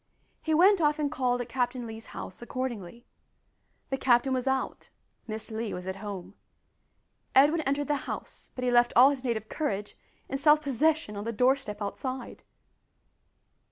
He went off and called at Captain Lee's house accordingly. The captain was out Miss Lee was at home. Edwin entered the house, but he left all his native courage and self possession on the doorstep outside!